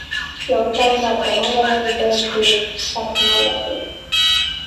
یوه تن راته وویل بیک دې ټګ نه لري.